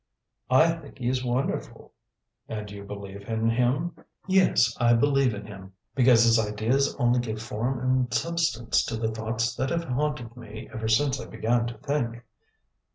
"I think he is wonderful." "And you believe in him?" "Yes, I believe in him, because his ideas only give form and substance to the thoughts that have haunted me ever since I began to think."